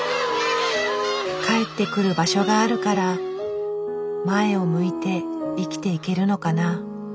帰ってくる場所があるから前を向いて生きていけるのかな。